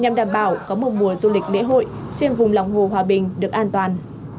nhằm đảm bảo có một mùa du lịch lễ hội trên vùng lòng hồ hòa bình được an toàn